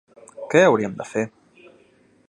Què hauríem de fer?